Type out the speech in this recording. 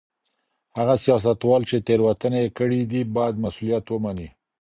هغه سياستوال چي تېروتني يې کړې دي بايد مسؤليت ومني.